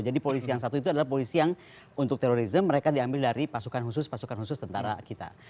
jadi polisi yang satu itu adalah polisi yang untuk terorisme mereka diambil dari pasukan khusus pasukan khusus tentara kita